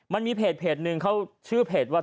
มันมีเพจหนึ่งเขาชื่อเพจว่า